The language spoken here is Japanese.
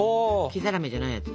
黄ざらめじゃないやつ。